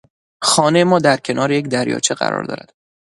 خانهی ما در کنار یک دریاچه قرار دارد.